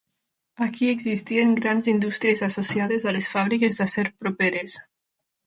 Aquí existien grans indústries associades a les fàbriques d'acer properes.